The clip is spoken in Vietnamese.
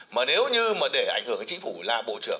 mà nếu như mà để ảnh hưởng đến chính phủ là bộ trưởng